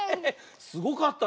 すごかったね。